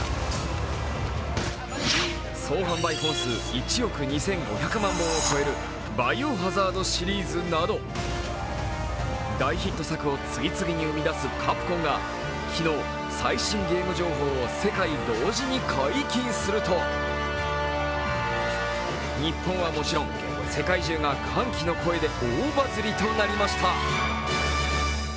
総販売本数１億２５００万本を超える「バイオハザード」シリーズなど、大ヒット作を次々に生み出すカプコンが昨日、最新ゲーム情報を世界同時に解禁すると日本はもちろん、世界中が歓喜の声で大バズりとなりました。